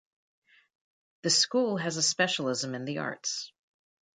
The school has a specialism in the arts.